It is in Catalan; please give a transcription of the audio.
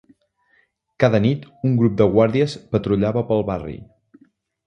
Cada nit un grup de guàrdies patrullava pel barri.